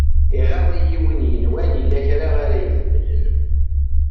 Iɣaḍ-iyi win yenwan yella kra ara ibedlen.